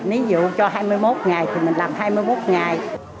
ví dụ cho hai mươi một ngày thì mình làm hai mươi một ngày